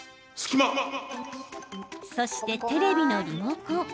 そして、テレビのリモコン。